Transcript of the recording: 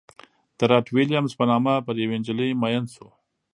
د رات ویلیمز په نامه پر یوې نجلۍ مین شو.